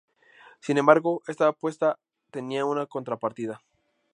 Sin embargo, esta apuesta tenía una contrapartida.